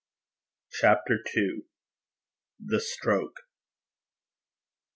CHAPTER II. THE STROKE.